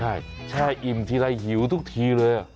ใช่แช่อิ่มทีไรหิวทุกทีเลย